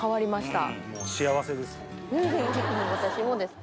私もです。